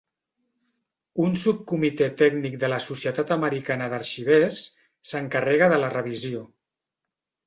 Un subcomité tècnic de la societat americana d'arxivers s'encarrega de la revisió.